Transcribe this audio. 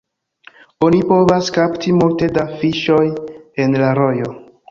Oni povas kapti multe da fiŝoj en la rojo.